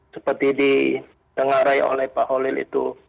seperti ditengarai oleh pak holil itu